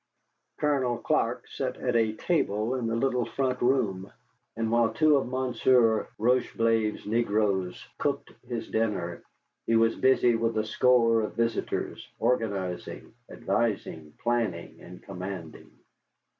Colonel Clark sat at a table in the little front room, and while two of Monsieur Rocheblave's negroes cooked his dinner, he was busy with a score of visitors, organizing, advising, planning, and commanding.